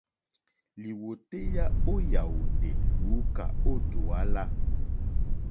Lìwòtéyá ó yàwùndè lùúkà ó dùálá.